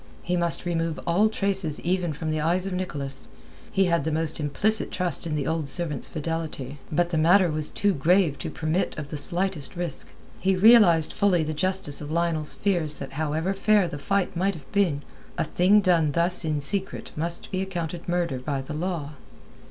He must remove all traces even from the eyes of Nicholas. He had the most implicit trust in the old servant's fidelity. But the matter was too grave to permit of the slightest risk. He realized fully the justice of Lionel's fears that however fair the fight might have been, a thing done thus in secret must be accounted murder by the law.